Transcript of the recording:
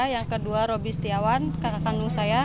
yang kedua roby setiawan kakak kandung saya